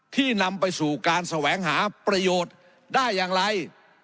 นำไปสู่การแสวงหาประโยชน์ได้อย่างไร